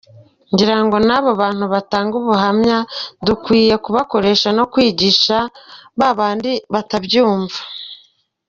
Ngira ngo n’abo bantu batanga ubuhamya dukwiye kubakoresha no kwigisha babandi batabyumva”.